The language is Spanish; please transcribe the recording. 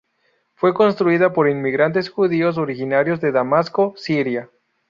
Fue construida por inmigrantes judíos originarios de Damasco, Siria.